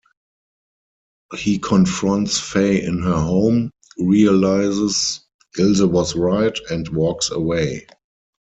He confronts Fay in her home, realizes Ilse was right, and walks away.